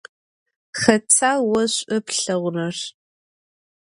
Xeta vo ş'u plheğurer?